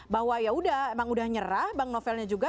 bahwa yaudah emang udah nyerah bang novelnya juga